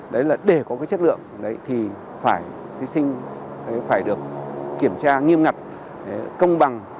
đấy là để có cái chất lượng đấy thì phải thí sinh phải được kiểm tra nghiêm ngặt công bằng